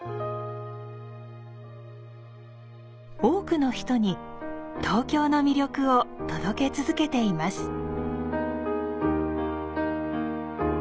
多くの人に東京の魅力を届け続けています。